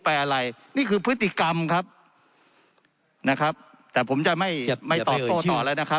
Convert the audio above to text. อะไรนี่คือพฤติกรรมครับนะครับแต่ผมจะไม่ไม่ตอบโต้ต่อเลยนะครับ